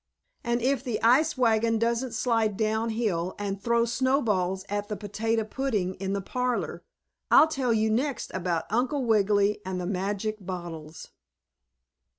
And if the ice wagon doesn't slide down hill and throw snowballs at the potato pudding in the parlor I'll tell you next about Uncle Wiggily and the magic bottles.